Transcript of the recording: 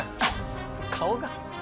顔が。